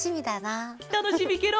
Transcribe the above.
たのしみケロ！